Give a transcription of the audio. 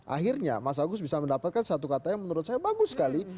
akhirnya mas agus bisa mendapatkan satu kata yang menurut saya bagus sekali